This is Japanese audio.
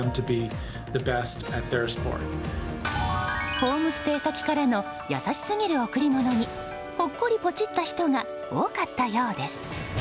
ホームステイ先からの優しすぎる贈り物にほっこりポチった人が多かったようです。